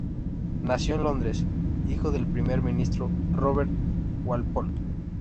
Nació en Londres, hijo del Primer Ministro Robert Walpole.